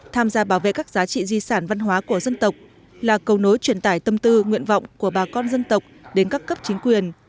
trị di sản văn hóa của dân tộc là cầu nối truyền tải tâm tư nguyện vọng của bà con dân tộc đến các cấp chính quyền